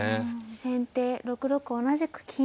先手６六同じく金。